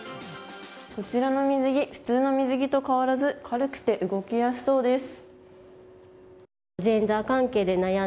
こちらの水着普通の水着と変わらず軽くて動きやすそうです。